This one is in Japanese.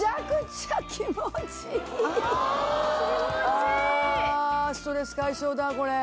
あストレス解消だこれ。